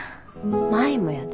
舞もやで。